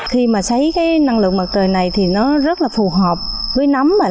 khi mà xây cái năng lượng mặt trời này thì nó rất là phù hợp với nấm